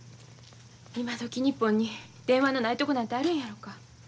今どき日本に電話のないとこなんてあるんやろか。